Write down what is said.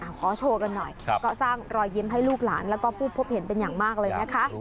ขอโชว์กันหน่อยก็สร้างรอยยิ้มให้ลูกหลานแล้วก็ผู้พบเห็นเป็นอย่างมากเลยนะคะ